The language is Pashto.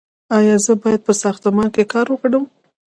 ایا زه باید په ساختمان کې کار وکړم؟